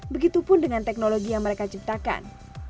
begitu pun dengan teknologi yang mereka ciptakan